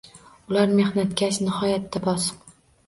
Ular mehnatkash, nihoyatda bosiq.